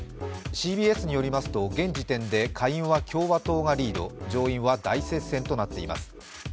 ＣＢＳによりますと現時点で下院は共和党がリード、上院は大接戦となっています。